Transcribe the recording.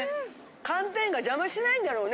寒天が邪魔しないんだろうね